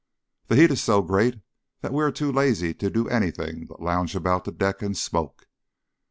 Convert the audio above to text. The heat is so great that we are too lazy to do anything but lounge about the decks and smoke.